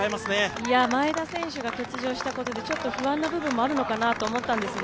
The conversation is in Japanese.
いや、前田選手が欠場したことでちょっと不安な部分があるのかなと思ったんですよね。